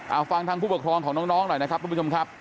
เอาฟังทางผู้ปกครองของน้องหน่อยนะครับทุกผู้ชมครับ